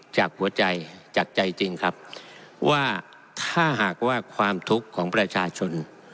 จากหัวใจจากใจจริงครับว่าถ้าหากว่าความทุกข์ของประชาชน